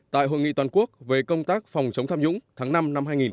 tại hội nghị toàn quốc về công tác phòng chống tham nhũng tháng năm năm hai nghìn hai mươi